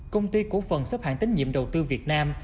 công ty cổ phần xếp hạng tín nhiệm đầu tư việt nam